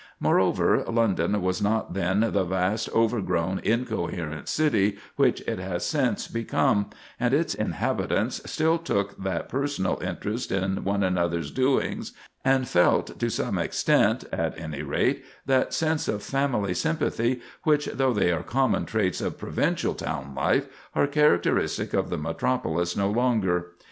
Moreover, London was not then the vast, overgrown, incoherent city which it has since become, and its inhabitants still took that personal interest in one another's doings, and felt, to some extent at any rate, that sense of family sympathy which, though they are common traits of provincial town life, are characteristic of the metropolis no longer.